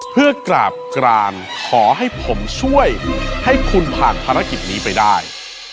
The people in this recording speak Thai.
เพื่อกราบกรานขอให้ผมช่วยให้คุณผ่านภารกิจนี้ไปได้